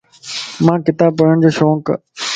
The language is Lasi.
مانک ڪتاب پڙھڻ جو شونڪ